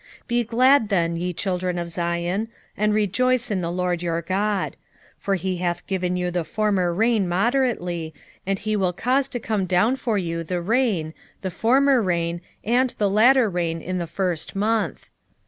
2:23 Be glad then, ye children of Zion, and rejoice in the LORD your God: for he hath given you the former rain moderately, and he will cause to come down for you the rain, the former rain, and the latter rain in the first month.